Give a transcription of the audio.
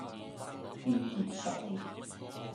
建業實業